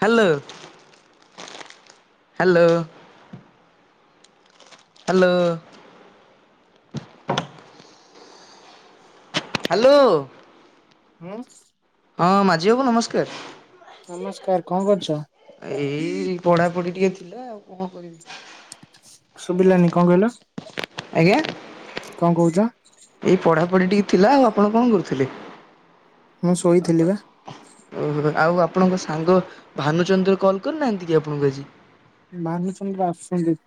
Hello hello hello hello ହୁଁ ହଁ ମାଝୀ ବାବୁ ନମସ୍କାର ନମସ୍କାର କଣ କରୁଛ ଏଇ ପଢାପଢି ଟିକେ ଥିଲା ଆଉ କଣ କରିବି ଶୁଭିଲାନି କଣ କହିଲ ଆଜ୍ଞା କଣ କହୁଛ? ଏଇ ପଢ଼ା ପଢ଼ି ଟିକେ ଥିଲା ଆଉ ଆପଣ କଣ କରୁଥିଲେ ମୁଁ ଶୋଇଥିଲି ବା ଓହୋ ଆଉ ଆପଣଙ୍କ ସାଙ୍ଗ ଭାନୁଚନ୍ଦ୍ର କଲ୍ କରିନାହାନ୍ତି କି ଆପଣଙ୍କୁ ଆଜି ଭହାନୁଚନ୍ଦ୍ର ଆସୁଛନ୍ତି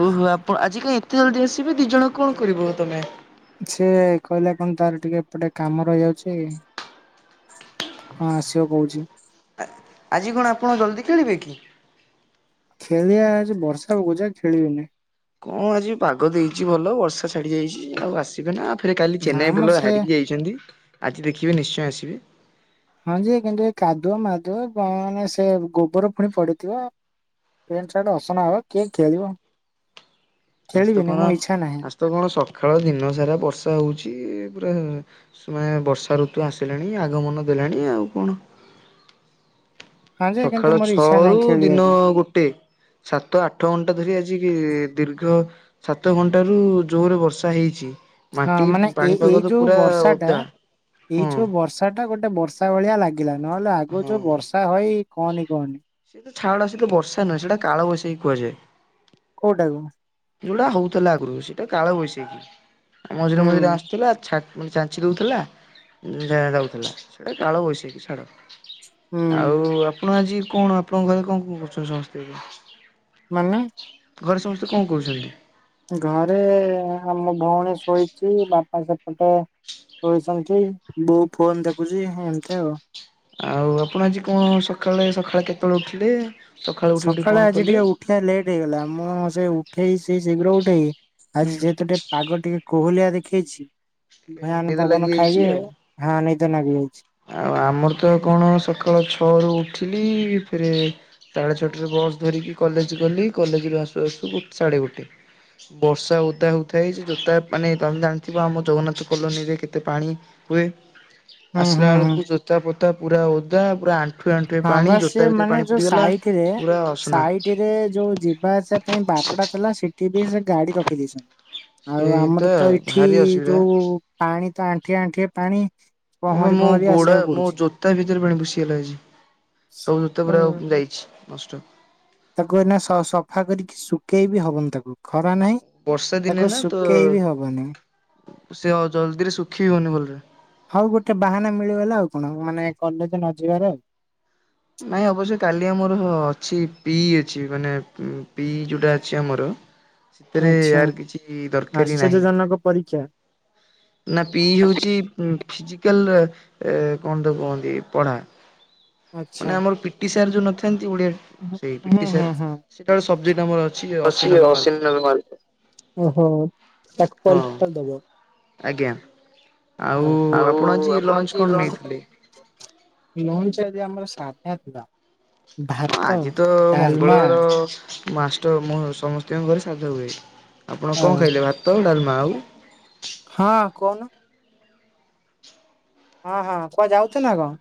ଓହୋ ଆପଣ ଆଜି କାଁ ଏତେ ଜଲଦି ଆସିବେ ଦି ଜଣ କଣ କରିବ ତମେ ସିଏ କହିଲା କଣ ତାର ଟିକେ ଏପଟେ କାମ ରହିଯାଉଛି କଁ ଆସିବ କହୁଛି ଆଜି କଣ ଆପଣ ଜଲ୍ଦି ଖେଳିବେ କି ଖେଳିବା ବର୍ଷା ହକୁ ଯା ଖେଳିବେନି କଣ ଆଜି ପାଗ ଦେଇଛି ଭଲ ବର୍ଷା ଛାଡି ଯାଇଛି ଆଉ ଆସିବେ ନା ରେ କାଲି ନା ଚେନ୍ନାଇ ମ ବୁଲ ସେ ହାରିକି ଯାଇଛନ୍ତି ଆଜି ଦେଖିବେ ନିଶ୍ଚୟ ଆସିବେ ହଁ ଯେ କିନ୍ତୁ ଏ କାଦୁଅ ମାଦୁଅ କ ମାନେ ସେ ଗୋବର ପୁଣି ପଡିଥିବ ପେଣ୍ଟ ସାର୍ଟ ଅସନା ହେବ ଆ କିଏ ଖେଳିବ ଆସ ଖେଳିବିନି କଣ ମୋ ଇଚ୍ଛା ନାହିଁ। ଆସ ତ କଣ ସକାଳ ଦିନ ସାରା ବର୍ଷା ହଉଛି ପୁରା ବର୍ଷା ଋତୁ ଆସିଲାଣି ଆଗମନ ଦେଲାଣି ଆଉ କଣ [inaudible] ହଁ ଯେ କିନ୍ତୁ ସକାଳ ମୋର ଇଚ୍ଛା ନାହିଁ ଛଅରୁୁ ଦିନ ଖେଳିବାକୁ ଗୋଟେ ସାତ ଆଠ ଘଣ୍ଟା ଧରି ଆଜି ଦୀର୍ଘ ସାତ ଘଣ୍ଟ ରୁ ଜୋରରେ ବର୍ଷା ହେଇଛି ହଁ ମାଟି ମାନେ ଏଇ ପାଣିପାଗ ଏଇ ତ ଯୋଉ ପୁରା ବର୍ଷା ଟା ଓଦା ଏଇ ହଁ ଯୋଉ ବର୍ଷା ଟା ଗୋଟେ ବର୍ଷା ବର୍ଷା ଭଳିଆ ଲାଗିଲା ନହେଲେ ଆଗ ହଁ। ଯୋଉ ବର୍ଷା ହଇ କହନି କହନି କାଳବୗଶାଖି କୁହାଯାଏ କଉଟାକୁ ଯୋଉଟା ହଉଥିଲା ଆଗରୁ ସେଇଟା କାଳବୈଶାଖୀ ମଝିରେ ହୁଁ ମଝିରେ ଆସିୁଥିଲା ଛା ମାନେ ଚାଞ୍ଚି ଦଉଥିଲା ଦଉଥିଲା ସେଟା କାଳ ବୈଶାଖୀ ଛାଡ ହୁଁ ଆଉ ଆପଣ ଆଜି କଣ ଆପଣଙ୍କ ଘରେ କଣ କଣ କରୁଛନ୍ତି ସମସ୍ତେ ଆ ମାନେ ଘରେ ସମସ୍ତେ କଣ କହୁଛନ୍ତି ଘରେ ଆମ ଭଉଣୀ ଶୋଇଛି ବାପା ଆଉ ସେପଟେ କହିଛନ୍ତି ବୋଉ ଫୋନ ଦେଖୁଛି ଏମିତି ଆଉ ଆଉ ଆପଣ ଆଜି କଣ, ସକାଳେ-ସକାଳେ କେତେବେଳେ ଉଠିଲେ? ସକାଳୁ ଉଠି ଉଠି ସକାଳେ କଣ ଆଜି କଲେ? ଟିକେ ଉଠିବା ଲେଟ୍ ହେଇଗଲା। ମୁଁ ସେ ଉଠେଇ ସେ ଶୀଘ୍ର ଉଠେଇି। ହୁଁ ଆଜି ଯେହେତୁ ଟିକେ ପାଗ ଟିକେ, କୋହୁଲିଆ ଦେଖେଇଛି। ନିଦ ଭୟାନକ ଲାଗି ପବନ ଖାଇ ଯାଇଛି କି ଆଉ। ନିଦ ଲାଗି ଯାଇଛି। ଆଉ ଆମର ତ କଣ ସକାଳ ଛଅ ରୁ ଉଠିଲି ରେ, ସାଢ଼େ ଛଅଟାରେ ବସ୍ ଧରିକି କଲେଜ ଗଲି। କଲେଜରୁ ଆସୁ ଆସୁ ସାଢ଼େ ଗୋଟେ। ବର୍ଷା ଓଦା ହଉଥାଏ। ସେ ଯୋତା ମାନେ ତମେ ଜାଣିଥିବ ଆମ ଜଗନ୍ନାଥ କଲୋନୀରେ କେତେ ପାଣି ହୁଏ। ହୁଁ ଆସିଲା ହୁଁ ହୁଁ। ବେଳକୁ ଜୋତା ପୋତା ପୁରା ଓଦା ପୁରା ଆଣ୍ଠୁ ହଁ ବା ସେ ମାନେ ଯୋଉ ସାଇଟ୍ ରେ ପୁରା ଅସନା ସାଇଟ୍ ରେ ଯୋଉ ଯିବା ଆସିବା ପାଇଁ ବାଟଟା ଥିଲା। ସେଠି ବି ସେ ଗାଡ଼ି ରଖି ଦେଇଛନ୍ତି। ଆଉ ସେଇଟା ଆମର ତ ଏଇଠି ଭାରି ଅସୁବିଧା। ଯୋଉ ପାଣି ତ ଆଣ୍ଠିଏ ଆଣ୍ଠିଏ ପାଣି। ହଁ ମ, ପହଁରି ମୁଁ ପହଁରି ଗୋଡା ଆସିବାକୁ ମୋ ପଡୁଛି। ଜୋତା ଭିତରେ ପାଣି ପଶିଗଲା ଆଜି। ସବୁ ଜୋତା ପୁରା ହୁଁ। ଆ ଯାଇଛି ନଷ୍ଟ। ତାକୁ ଏଇନା ସ-ସ ସଫା କରିକି ଶୁଖେଇ ବିି ହବନି ତାକୁ ଖ ରା ନାହିଁ। ବର୍ଷା ଦିନେ ତାକୁ ନା ତ ଶୁଖେଇ ବି ହବନି। ସେ ଜଲ୍ଦିରେ ଶୁଖି ବି ହଉନି ଭଲରେ। ହଉ ଗୋଟେ ବାହାନା ମିଳିଗଲା ଆଉ। ଆପଣ ମାନେ କଲେଜ ନ ଯିବାର ଆଉ। ନାଇଁ ଅବଶ୍ୟ କାଲି ଆମର ଅଛି, ପି ଅଛି ମାନେ ପି ଯୋଉଟା ଅଛି ଆମର। ସେଥିରେ ଆଚ୍ଛା ଏୟାର କିଛି ଦରକାରୀ ନାହିଁ। ଆଶ୍ଚର୍ଯ୍ୟଜନକ ପରୀକ୍ଷା। ନା ପିଇ ହଉଛି ଉଁ ଫିଜିକାଲ ରେ, ଏ କଣ ତ କୁହନ୍ତି ପଢ଼ା? ଆଚ୍ଛା ମାନେ ଆମର ପିଟି ସାର୍ ଯୋଉ ନଥାନ୍ତି ହୁଁ ଓଡ଼ିଆରେ ସେଇ ପିଟି ହୁଁ ସାର୍। ହୁଁ। ସେ ତାର ସବଜେକ୍ଟ ଆମର ଅଛି ଅଶି ନବେ ଅଶୀ ମାର୍କର। ନମ୍ବର। ଓହୋ ତାକୁ ହଁ ପରୀକ୍ଷାଟା ଦବ? ଆଜ୍ଞା। ହ ଆଉ ଆପଣ ଆଜି ଲଞ୍ଚ? ଲଞ୍ଚ ଆଜି ଆମର ସାଦା। ସାଦା ଥିଲା। ହଁ ଭାତ ଆଜି ତ ଡାଲମା ମଙ୍ଗଳବାର, ମାଷ୍ଟ-ମୁଁ ସମସ୍ତଙ୍କ ଘରେ ସାଦା ହୁଏ। ଆପଣ ଅ କଣ ଖାଇଲେ ଭାତ ଡାଲମା ଆଉ? ହଁ କହୁନ ହଁ ହଁ। କୁଆଡ଼େ ଯାଉଛ ନା କଣ?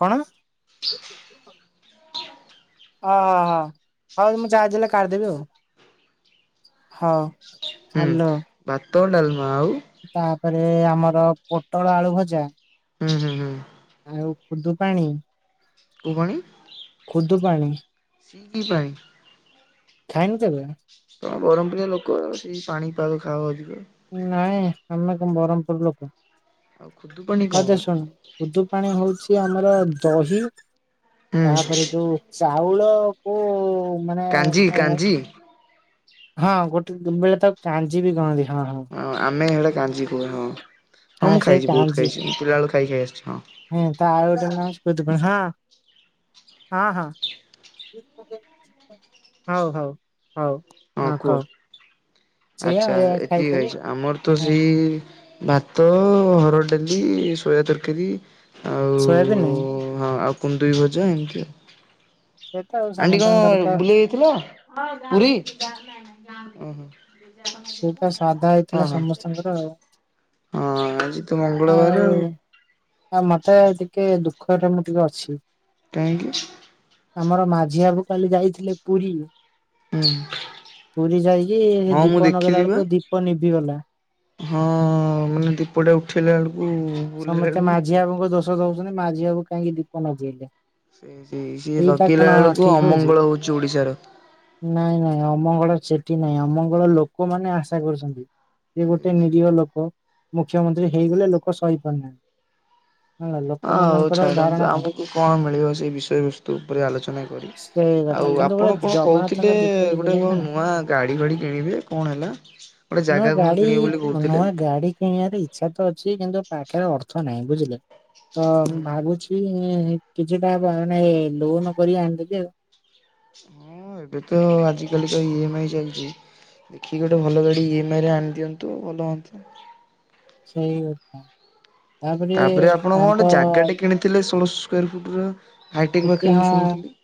କଣ? ଓ ହ, ହ ହଉ ମୁଁ ଯାହାଦେଲେ କାଢ଼ିଦେବି ଆଉ। ହଉ। ହୁଁ ହ୍ୟାଲୋ। ଭାତ ଡାଲମା ଆଉ ତାପରେ ଆମର ପୋଟଳ ଆଳୁ ଭଜା। ହୁଁ ହୁଁ ହୁଁ। ଆଉ ଖୁଦୁ ପାଣି କଉ ପାଣି? ଖୁଦୁ ପାଣି। ସେ କି ପାଣି? ଖାଇନୁ କେବେ? ତମେ ବରମପୁରିଆ ଲୋକ, ସେଇ ପାଣିପାଗ ଖାଅ ଅଧିକ। ନାଇଁ ଆମେ କଣ ବରମପୁର ଲୋକ। ଆଉ ଖୁଦୁପଣି ହଁ କଣ ଯେ ବା? ଶୁଣ, ଖୁଦୁ ପାଣି ହଉଛି ଆମର ଦହି ହୁଁ ତାପରେ ଯୋଉ, ଚାଉଳକୁ ମାନେ କାଞ୍ଜି କଣ? କାଞ୍ଜି ହଁ ଗୋଟେ ବେଳେ ତାକୁ କାଞ୍ଜିିବି କହନ୍ତି। ହଁ ଆମେ ହେଲେ କାଞ୍ଜି କହୁ ହଁ। ହଁ ମୁଁ ସେଇ ଖାଇଛି ବହୁତ କାଞ୍ଜି। ଖାଇଛି ମୁଁ ପିଲାବେଳୁ ଖାଇ ଖାଇ ଆସିଛି ହଁ ତା ଆଉ ଗୋଟେ ନାଁ ହେଉଛି ଖୁଦୂ ପାଣି। ହଁ। ହଁ ହଁ। ହଉ ହଉ। ହଉ ହଁ କୁହ। ସେଇଆ ଆଚ୍ଛା ଏଇଆ ଏତିକି ଖାଇଥିଲି ଖାଇଛ ଆମର ତ ହଁ ସେଇ ଭାତ, ହରଡ଼ ଡାଲି, ସୋୟା ତରକାରୀ। ଆଉ ସୋୟାବିନି ହଁ ଆଉ କୁନ୍ଦୁରି ଭଜା ଏମିତି ଆଉ ସେ ତ ଆଉ ଆଣ୍ଟି ସମସ୍ତଙ୍କର କଣ ତ ବୁଲି ଯାଇଥିଲ [inaudible] ପୁରୀ? ଓହୋ। ସେଇ ତ ସାଧା [inaudible] ହେଇଥିଲା ଓହୋ। ସମସ୍ତଙ୍କର ଆଉ ହଁ ଆଜି ତ ମଙ୍ଗଳବାରେ ଆଉ। ଆଁ ମତେ ଟିକେ ଦୁଃଖରେ ମୁଁ ଟିକେ ଅଛି। କାହିଁକି? ଆମର ମାଝି ବାବୁ କାଲି ଯାଇଥିଲେ ପୁରୀ। ହୁଁ ପୁରୀ ଯାଇକି ହଁ ମୁଁ ଦୀପ ନଗେଇଲା ଦେଖିଲି ବା। ବେଳକୁ ଦୀପ ନିଭିିଗଲା। ହଁ ମାନେ ଦୀପଟା ଉଠେଇଲା ବେଳୁ ସମସ୍ତେ ମାଝି ବାବୁଙ୍କ ଦୋଷ ଦୋଉଚନ୍ତି, ମାଝି ବାବୁ କାହିଁକି ଦୀପ ନଗେଇଲେ। ସେ ସି ସିଏ ଲଗେଇଲା ବେଳକୁ ଠିକ ହଉଛି? ଅମଙ୍ଗଳ ହୋଉଚି ଓଡିଶାର। ନାଇଁ ନାଇଁ ଅମଙ୍ଗଳ ସେଠି ନାଇଁ ଅମଙ୍ଗଳ ଲୋକମାନେ ଆଶା କରୁଛନ୍ତି ସେ ଗୋଟେ ନିରୀହ ଲୋକ। ମୁଖ୍ୟମନ୍ତ୍ରୀ ହେଇଗଲେ ଲୋକ ସହି ପାରୁନାହାଁନ୍ତି। ହଁ ହୋଉ ଛାଡନ୍ତୁ, ଆମକୁ କଣ ମିଳିବ ସେଇ ବିଷୟ ବସ୍ତୁ ଉପରେ ଆଲୋଚନା କରିକି। ସେଇ କଥା ଆଉ କିନ୍ତୁ ଗୋଟେ ଆପଣ କଣ ଜଗନ୍ନାଥଙ୍କ କହୁଥିଲେ ଦୀପ ଗୋଟେ ଲିଭିଲେ କଣ ନା ନୂଆ ଗାଡି ଫାଡି କିଣିବେ କଣ ହେଲା? ଗୋଟେ ନୂଆ ଜାଗା କଣ ଗାଡି କିଣିବେ ବୋଲି କହୁଥିଲେ ନୂଆ ଗାଡି କିଣିବାରେ ଇଚ୍ଛା ତ ଅଛି କିନ୍ତୁ ପା ଗାରେ ଅର୍ଥ ନାହିଁ ବୁଝିଲେ। ତ ମୁଁ ହୁଁ। ଭାବୁଛି ହୁଁ କିଛିଟା ମାନେ ଲୋନ କରି ଆଣିଦେବି ଆଉ। ହଁ ଏବେ ତ ଆଜି କାଲିକା ଇ ଏମ ଆଇ ଚାଲିଚି। ଦେଖିକି ଗୋଟେ ଭଲ ଗାଡି ଇ ଏମ ଆଇ ରେ ଆଣି ଦିଅନ୍ତୁ। ଭଲ ହୁଅନ୍ତା। ସେଇ କଥା। ତାପରେ ଆପଣ କଣ ଗୋଟେ ଜାଗା ଟେ କିଣିଥିଲେ ଷୋଳଶ ସ୍କୋୟାର ଫୁଟୁର। ହାଇଟେକ ଟିକେ ପାଖରେ ମୁଁ ହଁ ଶୁଣୁଥିଲି।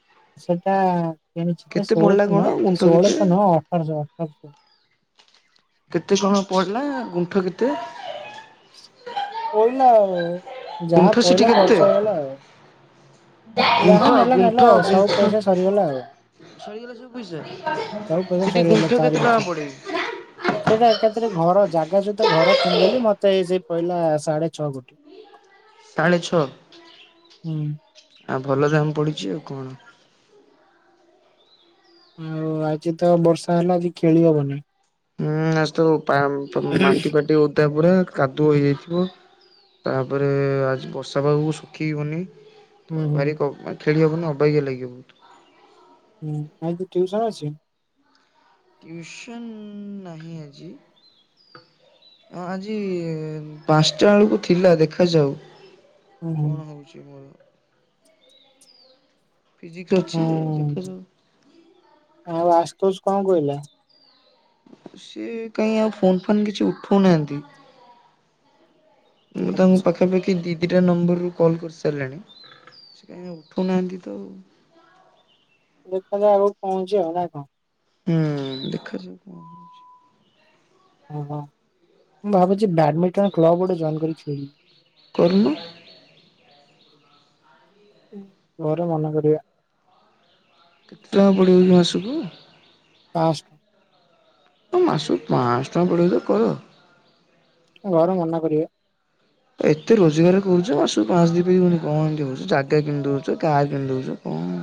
ସେଟା କିଣିଛି ପଡିଲା ଷୋଳଶ କଣ ନୁହଁ, ଗୁଣ୍ଠ କେତେ? ଷୋଳଶହ ନୁହଁ ଅଠରଶହ ଅଠରଶହ। କେତେ ସମୟ ପଡିଲା ଗୁଣ୍ଠ [inaudible] କେତେ? ପଇଲା ଆଉ ଯାହା ଇନ୍ଫୋସିଟି ପଇଲା ଖର୍ଚ୍ଚ କେତେ? ହେଇଗଲା ଆଉ [inaudible] ଯାହା ଗୁଣ୍ଠ ନେଲା ନେଲା ଗୁଣ୍ଠ ଆଉ ସବୁ ଗୁଣ୍ଠ। ପଇସା ସରିଗଲା ଆଉ ସରିଗଲା ସବୁ ପଇସା। ସବୁ [inaudible] ପଇସା ସେଠି ସରିଗଲା ଗୁଣ୍ଠ ତାରି କେତେ ଟଙ୍କା ପିଛରେ ପଡିବି? ସେଇଟା ଏକାଥରେ ଘର ଜାଗ ଗା ସହିତ ଘର କିଣିଦେଲି ମତେ ଏଇ ସେଇ ପଇଲା ସାଢେ ଛଅ କୋଟି। ସାଢ଼େ ଛଅ ହୁଁ ଆଉ ଭଲ ଦାମ ପଡିଚି ଆଉ କଣ। ଆଉ ଆଜି ତ ବର୍ଷା ହେଲା ଆଜି ଖେଳି ହବନି। ହୁଁ ଆଜି ତ ପା ପା ହୁଁ ମାଟି ଫାଟି ଓଦା ପୁରା। କାଦୁଅ ହେଇଯାଇଥିବ। ତାପରେ ଆଜି ବର୍ଷା ପାଗକୁ ଶୁଖିିବନି। ତ ହୁଁ ଭାରି କ ଖେଳିହବନି ଅବାଗିଆ ଲାଗିବ ବୋହୁତ। ହୁଁ ଆଜି ଟିଉସନ ଅଛି? ଟୁୟୁସନ୍ ନାହିଁ ଆଜି। ଅ ଆଜି ପାଞ୍ଚଟା ବେଳକୁ ଥିଲା ଦେଖାଯାଉ। ହୁଁ ହୁଁ କଣ ହୋଉଚି ମୋର। ଫିଜିକ୍ସ ଅଛି ଯେ ହୁଁ, ଦେଖାଯାଉ ଆଉ ଆଶୁତୋଷ କଣ କହିଲା? ସିଏ କାଇଁ ଆଉ ଫୋନ୍ ଫାନ୍ କିଛି ଉଠୋଉନାହାନ୍ତି। ମୁଁ ତାଙ୍କୁ ଆଚ୍ଛା ପାଖାପାଖି ଦିଇ ଦିଇଟା ନମ୍ବରରୁ କଲ୍ କରିସାରିଲାଣି। ସିଏ କାଇଁ ଉଠୋଉନାହାନ୍ତି ତ। ଦେଖନ୍ତୁ ଆଗକୁ କଣ ହୋଉଚି ନା କଣ ହୁଁ, ଦେଖାଯାଉ କଣ ହୋଉଚି। ଓହୋ ମୁଁ ଭାବୁଚି ବ୍ୟାଡମିଣ୍ଟନ କ୍ଲବ ଗୋଟେ ଜଏନ୍ କରି ଖେଳିବି। କରୁନୁ। ଘରେ ମନା କରିବେ। କେତେ ଟଙ୍କା ପଡ଼ିବକି ମାସକୁ। ପାଞ୍ଚଶହ। ମାସକୁ ପାଞ୍ଚହଟଙ୍କା ପଡ଼ିବତ କର ଘରେମନା କରିବା ଏତେ ରୋଜଗାର କରୁଛ ଆସୁ ପାଞ୍ଚ ଦି ପ ହଉନି କଣ ଏମିତି ହଉଛି ଜାଗା କିମି ଦଉଛ କାର କିଣିି ଦଉଛ କଣ ହୁଁ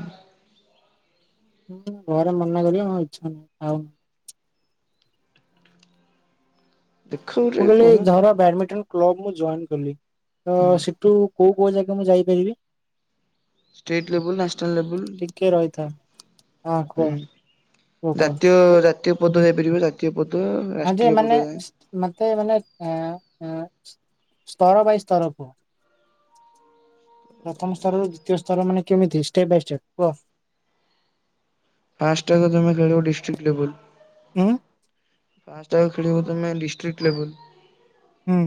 ହୁଁ ଘରେ ମନନା କରି ଆ ଇଚଛଁ ଆଉ ଦେଖ ଗୋଟେ ହ କର। ଧର ବ୍ୟାଡମିଣ୍ଟନ କ୍ଲବ ମୁଁ ଜଏନ୍ କଲି, ତ ହୁଁ ସେଠୁ କୋଉ କୋଉ ଜାଗା ମୁଁ ଯାଇପାରିବି ଷ୍ଟେଟ୍ ଲେବୁଲ ନାସନଲ ଲେବଲ ଟିକେ ରହିଥା ହଁ ହୁଁ କୁହ କୁହ କୁହ? ଜାତୀୟ କୁ ଜାତୀୟ ପଦ ହେଇପାରିବ ଜାତୀୟ ପଦ ହଁ ଯେ ରାଷ୍ଟ୍ରୀୟ ପଦ ମାନେ ଯାଏ। ମତେ ମାନେ ଅ ସ୍ତର ବାଇ ସ୍ତରକୁ ପ୍ରଥମ ସ୍ତରରୁ ଦ୍ଵିତୀୟ ସ୍ତର ମାନେ କେମିତି ଷ୍ଟେପ୍ ବାଇ ଷ୍ଟେପ୍ କୁହ ପାଞ୍ଚ ଟାକ ତମେ ଖେଳିବ ଡିଷ୍ଟ୍ରିକ୍ଟ ଲେବଲ ହୁଁ ଫ ଖେଳିବ ତମ ଡିଷ୍ଟ୍ରିକଟ ଲେବଲ ହୁଁ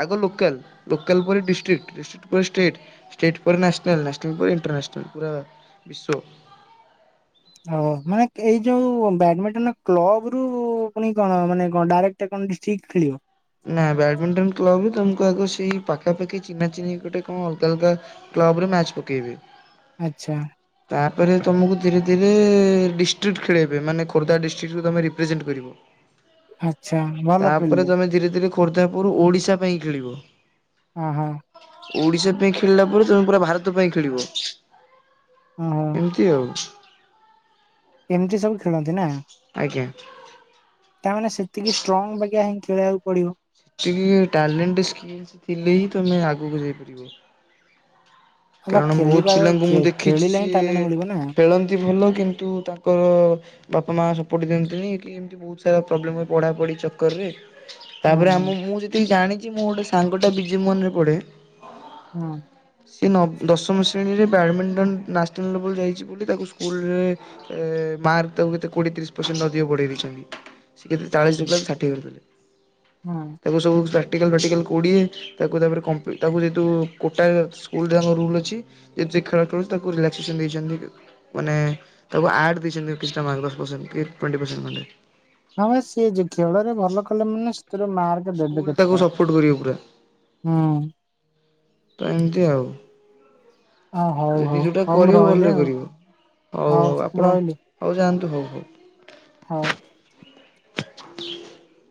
ଆଗ ଲୋକାଲ, ଲୋକାଲ୍ ପରେ ଡିଷ୍ଟ୍ରିକ୍ଟ, ଡିଷ୍ଟ୍ରିକ୍ଟ ପରେ ଷ୍ଟେଟ, ଷ୍ଟେଟ୍ ପରେ ନ୍ୟସନାଲ, ନ୍ୟାସନାଲ ପରେ ଇଣ୍ଟରନ୍ୟାସନାଲ ପୁରା ବିଶ୍ଵ ହ, ମାନେ ଏଇ ଯୋଉ ବ୍ୟାଡମିଣ୍ଟନ କ୍ଲବ ରୁ ପୁଣି କଣ ମାନେ ଡାଇକ୍ଟ କଣ ଠିକ ଖେଳିବ ନା ବ୍ୟାଡମିଣ୍ଟନ କ୍ଲବ ତମକୁ ଆଗ ସେଇ ପାଖା ପାାଖି ଚିନା ଚିନି ଗୋଟେ କଣ ଅଲଗା ଅଲଗ କ୍ଲବ ରେ ମ୍ୟାଚ୍ ପକେଇବି। ଆଚ୍ଛା ତାପରେ ତୁମକୁ ଧୀରେ ଧୀରେ ଡିଷ୍ଟ୍ରିକ୍ଟ ଖେଳାଇବେ ମାନେ ଖୋର୍ଦ୍ଧା ଡିଷ୍ଟ୍ରିକ୍ଟୁ ତୁମେ ରିପ୍ରେଜେଣ୍ଟ କରିବ ଆଚଛା ଭଲ ଫିଲ୍ଡ ଖୋର୍ଦ୍ଧାପୁର ଓଡିଶା ପାଇଁ ଖେଳିବ ହଁ ହଁ ଓଡିଶା ପେଇଁ ଖେଳିଲା ପରେ, ତମେ ପୁରା ଭାରତ ପାଇଁ ଖେଳିବ, ଓହୋ ଏମିତି ଆଉ ଏମତି ସବୁ ଖେଳନ୍ତି ନା, ଆଜ୍ଞା। ତାମାନେ ସେ ଟିକେ ଷ୍ଟ୍ରଙ୍ଗ୍ [unintelligible] ହିଁ ଖେଳିବାକୁ ପଡିବ ସେଟିକି ଥିଲେ ହିଁ ତମେ ଆଗକୁ ଯାଇପାରିବ ହେଲା କାରଣ ବହୁତ ଖେଳିବାର ପିଲାଙ୍କୁ ମୁଁ ଖେ- ଦେଖିଛି ଖେଳିଲେ ହିଁ ସିଏ ଟ୍ୟାଲେଣ୍ଟ ମିଳିବ ନା ଖେଳନ୍ତି ଭଲ, କିନ୍ତୁ ତାଙ୍କର ବାପ ମା ସପୋର୍ଟ ଦିଅନ୍ତିନି କି, ଏମିତି ବହୁତ ସାରା ପ୍ରୋବ୍ଲେମ୍ୁପଢ଼ାପଢ଼ି ଚକରରେ ହୁଁ ତାପରେ ଆମେ ମୁଁ ଯେତିକି ଜାଣିଛି, ମୁଁ ଗୋଟେ ସାଙ୍ଗଟେ ବିଜିମନରେ ପଢେ। ହଁ ଏ ନ ଦଶମ ଶ୍ରେଣୀରେ ବଡମିଣ୍ଟନ୍ ନ୍ୟସନାଲ ଲବେଲ ଯାଇଛି ବୋଲି ତାକୁ ସ୍କୁଲରେ ମାର୍କ ତାକୁ କୋଏଶ ପର ନଦୀକୁବୁଡେଇ ଦେଇଛନ୍ତି, ସେ କେତେ ହୁଁ। ଚାଳିଶ ଥା ାଠିଏ କରିଥିଲେ। ତାକୁ ସବୁ ଟାଲଟିକାଲ ମେଡିକାଲକୋଡ଼ିଏ, ତାକୁ ତାପରେ କମ୍ପି ତାକୁ ଯେହେତୁ କୋଟାଏ ତା ରୁଲ୍ ଅଛି ଯେ ଖେଳ ଖେଳୁ ତାକୁ ରିଲାକ୍ସେସନ ଦେଇଛନ୍ତି, ମାନେ ତାକୁ ଆ [unintelligible] ଟ୍ୱଟି ପରସେଟେ ହଁ ଭ ସିଏ ଯ ଖେଳ ରେ ଭଲ କଲେ ମାନେ ସେରୁ ମାର୍ଗ ସ୍କୁଲ ଦଧ ତାକୁ କେତଥିଲା ସପୋର୍ଟ କରିବ ପୁରା ହୁଁ ତ ଏମିତି ଆଉ ଅ ହଉ ଯଦି ହଉ ଯୋଉଟା ହଉ ମୁଁ କରିବ ରହିଲି ଭଲରେ ଆଉ କରିବ, ହଉ ହଉ ଆପଣ ଆଉ ଯାଆନ୍ତୁ ଓ ହ ହଉ ହୋଉ। [inaudible]